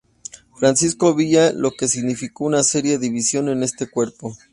Francisco Villa, lo que significo una seria división en este cuerpo.